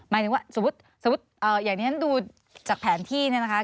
หมายถึงว่าสมมุติอย่างนี้ฉันดูจากแผนที่เนี่ยนะคะ